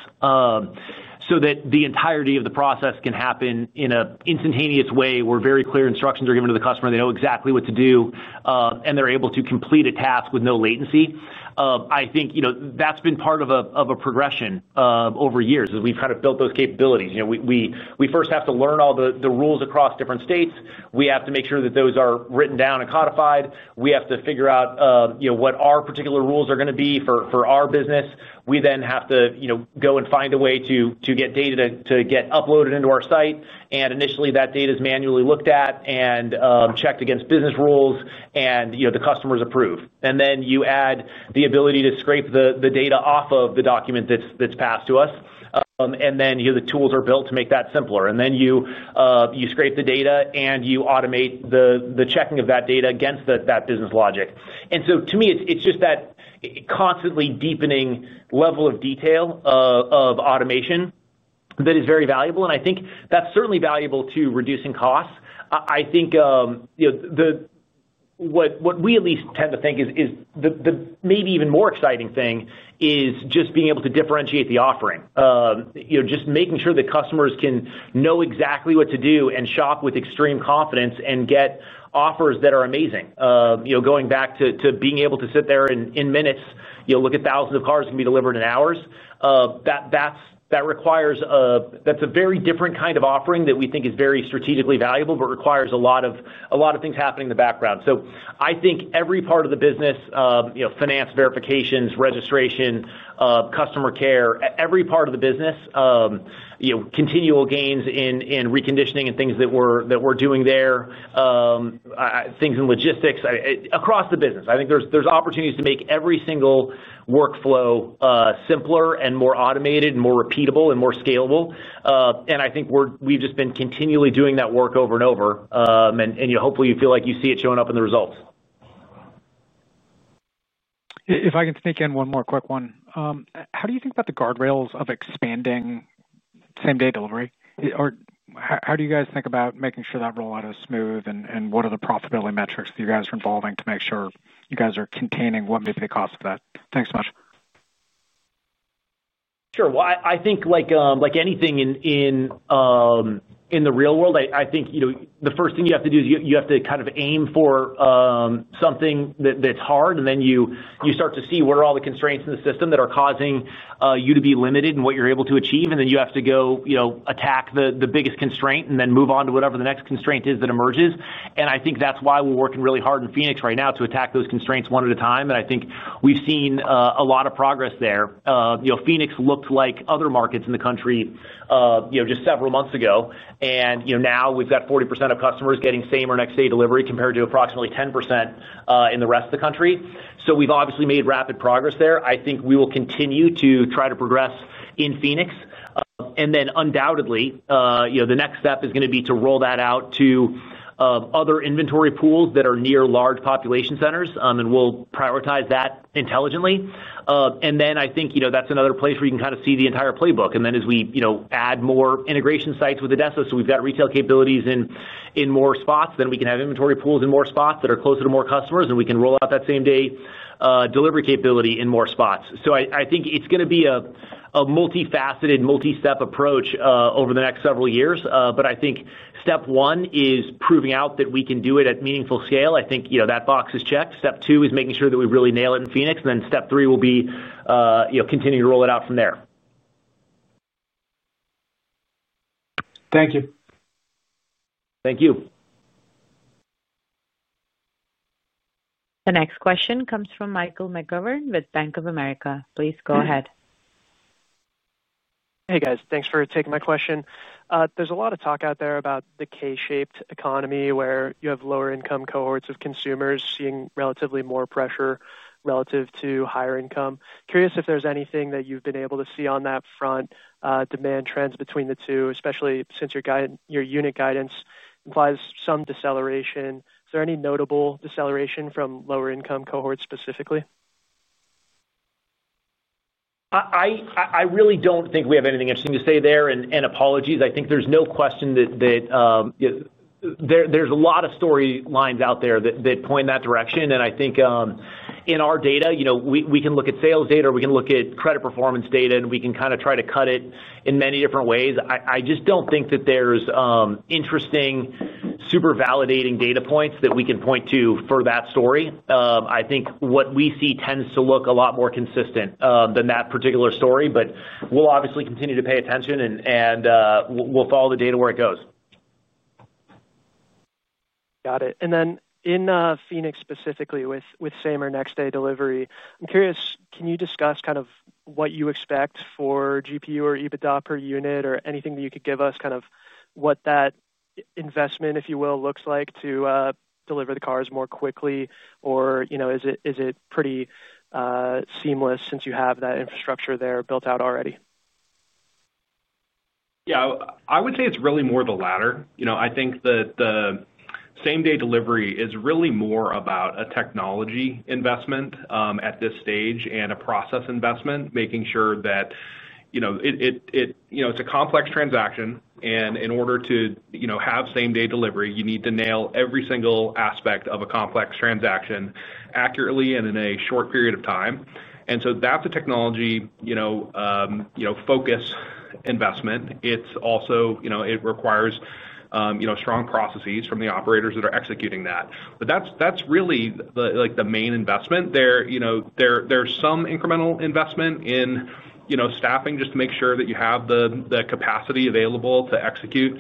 so that the entirety of the process can happen in an instantaneous way where very clear instructions are given to the customer. They know exactly what to do, and they're able to complete a task with no latency. I think that's been part of a progression over years as we've kind of built those capabilities. We first have to learn all the rules across different states. We have to make sure that those are written down and codified. We have to figure out what our particular rules are going to be for our business. We then have to go and find a way to get data to get uploaded into our site. Initially, that data is manually looked at and checked against business rules and the customers approve. Then you add the ability to scrape the data off of the document that's passed to us. Then the tools are built to make that simpler. Then you scrape the data and you automate the checking of that data against that business logic. To me, it's just that constantly deepening level of detail of automation that is very valuable. I think that's certainly valuable to reducing costs. What we at least tend to think is the maybe even more exciting thing is just being able to differentiate the offering. Just making sure that customers can know exactly what to do and shop with extreme confidence and get offers that are amazing. Going back to being able to sit there and in minutes look at thousands of cars that can be delivered in hours. That requires a very different kind of offering that we think is very strategically valuable, but requires a lot of things happening in the background. I think every part of the business, finance verifications, registration, customer care, every part of the business, continual gains in reconditioning and things that we're doing there, things in logistics across the business. I think there's opportunities to make every single workflow simpler and more automated and more repeatable and more scalable. I think we've just been continually doing that work over and over. Hopefully, you feel like you see it showing up in the results. If I can sneak in one more quick one, how do you think about the guardrails of expanding same-day delivery? How do you guys think about making sure that rollout is smooth, and what are the profitability metrics that you guys are involving to make sure you guys are containing what may be the cost of that? Thanks so much. I think like anything in the real world, the first thing you have to do is you have to kind of aim for something that's hard. Then you start to see what are all the constraints in the system that are causing you to be limited in what you're able to achieve. You have to go attack the biggest constraint and then move on to whatever the next constraint is that emerges. I think that's why we're working really hard in Phoenix right now to attack those constraints one at a time. I think we've seen a lot of progress there. Phoenix looked like other markets in the country just several months ago. Now we've got 40% of customers getting same or next-day delivery compared to approximately 10% in the rest of the country. We've obviously made rapid progress there. I think we will continue to try to progress in Phoenix. Undoubtedly, the next step is going to be to roll that out to other inventory pools that are near large population centers. We'll prioritize that intelligently. I think that's another place where you can kind of see the entire playbook. As we add more integration sites with ADESA, so we've got retail capabilities in more spots, then we can have inventory pools in more spots that are closer to more customers, and we can roll out that same-day delivery capability in more spots. I think it's going to be a multifaceted, multi-step approach over the next several years. I think step one is proving out that we can do it at meaningful scale. I think that box is checked. Step two is making sure that we really nail it in Phoenix. Step three will be continuing to roll it out from there. Thank you. Thank you. The next question comes from Michael McGovern with Bank of America. Please go ahead. Hey guys, thanks for taking my question. There's a lot of talk out there about the K-shaped economy where you have lower-income cohorts of consumers seeing relatively more pressure relative to higher income. Curious if there's anything that you've been able to see on that front, demand trends between the two, especially since your unit guidance implies some deceleration. Is there any notable deceleration from lower-income cohorts specifically? I don't think we have anything interesting to say there, and apologies. I think there's no question that there's a lot of story lines out there that point in that direction. I think in our data, we can look at sales data, or we can look at credit performance data, and we can try to cut it in many different ways. I just don't think that there's interesting, super validating data points that we can point to for that story. I think what we see tends to look a lot more consistent than that particular story. We'll obviously continue to pay attention, and we'll follow the data where it goes. Got it. In Phoenix specifically with same or next-day delivery, I'm curious, can you discuss kind of what you expect for GPU or EBITDA per unit or anything that you could give us, kind of what that investment, if you will, looks like to deliver the cars more quickly? Is it pretty seamless since you have that infrastructure there built out already? Yeah, I would say it's really more the latter. I think that the same-day delivery is really more about a technology investment at this stage and a process investment, making sure that it's a complex transaction. In order to have same-day delivery, you need to nail every single aspect of a complex transaction accurately and in a short period of time. That's a technology focus investment. It also requires strong processes from the operators that are executing that. That's really like the main investment there. There's some incremental investment in staffing just to make sure that you have the capacity available to execute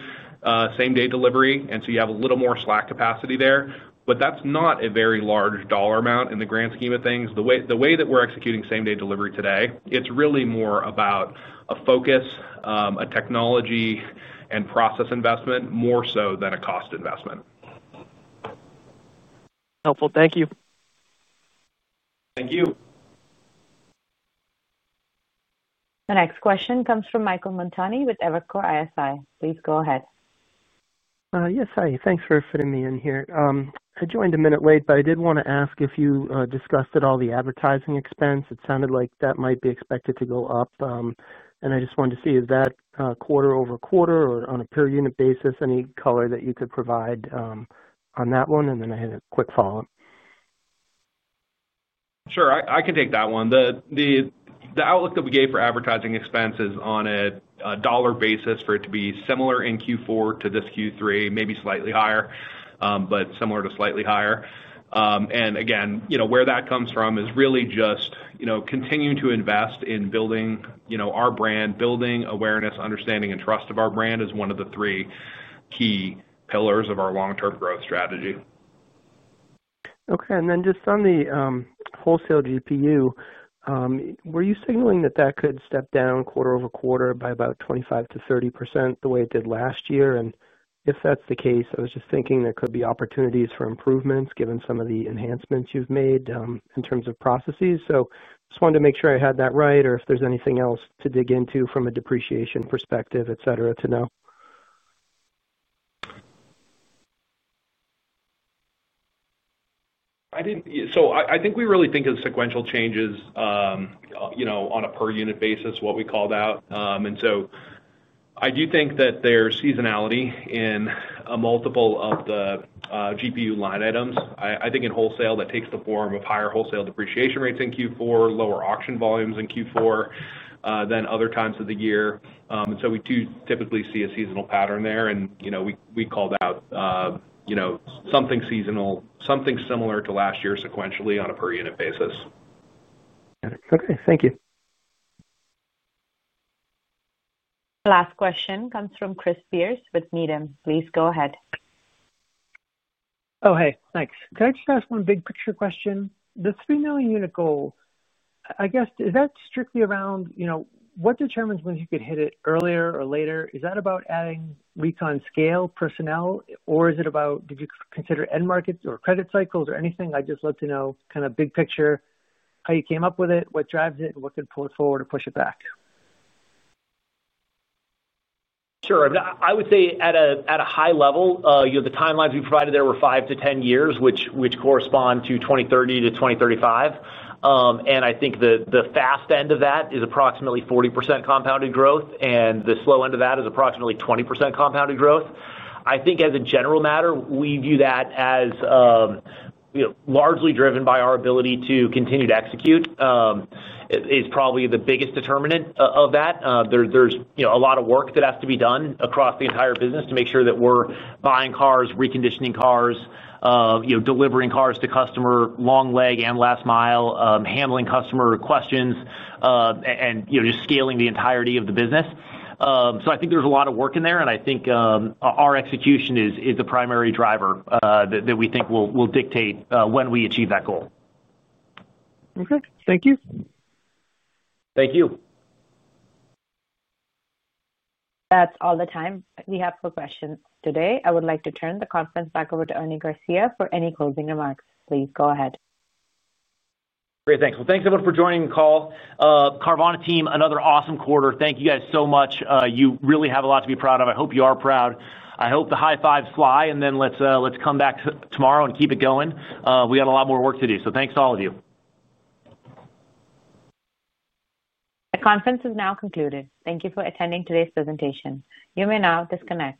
same-day delivery, so you have a little more slack capacity there. That's not a very large dollar amount in the grand scheme of things. The way that we're executing same-day delivery today, it's really more about a focus, a technology, and process investment more so than a cost investment. Helpful. Thank you. Thank you. The next question comes from Michael Montani with Evercore ISI. Please go ahead. Yes, hi. Thanks for fitting me in here. I joined a minute late, but I did want to ask if you discussed at all the advertising expense. It sounded like that might be expected to go up. I just wanted to see if that quarter over quarter or on a per-unit basis, any color that you could provide on that one. I had a quick follow-up. Sure, I can take that one. The outlook that we gave for advertising expenses on a dollar basis for it to be similar in Q4 to this Q3, maybe slightly higher, but similar to slightly higher. Where that comes from is really just continuing to invest in building our brand, building awareness, understanding, and trust of our brand is one of the three key pillars of our long-term growth strategy. Okay. Just on the wholesale GPU, were you signaling that that could step down quarter over quarter by about 25%-30% the way it did last year? If that's the case, I was just thinking there could be opportunities for improvements given some of the enhancements you've made in terms of processes. I just wanted to make sure I had that right or if there's anything else to dig into from a depreciation perspective, et cetera, to know. I think we really think of sequential changes, you know, on a per-unit basis, what we called out. I do think that there's seasonality in a multiple of the GPU line items. I think in wholesale, that takes the form of higher wholesale depreciation rates in Q4, lower auction volumes in Q4 than other times of the year. We do typically see a seasonal pattern there. We called out, you know, something seasonal, something similar to last year sequentially on a per-unit basis. Okay, thank you. The last question comes from Chris Pierce with Needham. Please go ahead. Oh, hey, thanks. Can I just ask one big-picture question? The 3 million unit goal, I guess, is that strictly around, you know, what determines when you could hit it earlier or later? Is that about adding recon scale personnel, or is it about, did you consider end markets or credit cycles or anything? I'd just love to know kind of big picture, how you came up with it, what drives it, and what could pull it forward or push it back. Sure. I would say at a high level, the timelines we provided there were 5 to 10 years, which correspond to 2030 to 2035. I think the fast end of that is approximately 40% compounded growth, and the slow end of that is approximately 20% compounded growth. I think as a general matter, we view that as largely driven by our ability to continue to execute, which is probably the biggest determinant of that. There is a lot of work that has to be done across the entire business to make sure that we're buying cars, reconditioning cars, delivering cars to customers, long leg and last mile, handling customer requests, and just scaling the entirety of the business. I think there is a lot of work in there, and I think our execution is the primary driver that we think will dictate when we achieve that goal. Okay, thank you. Thank you. That's all the time we have for questions today. I would like to turn the conference back over to Ernie Garcia for any closing remarks. Please go ahead. Great, thanks. Thanks everyone for joining the call. Carvana team, another awesome quarter. Thank you guys so much. You really have a lot to be proud of. I hope you are proud. I hope the high fives fly, and let's come back tomorrow and keep it going. We got a lot more work to do. Thanks to all of you. The conference is now concluded. Thank you for attending today's presentation. You may now disconnect.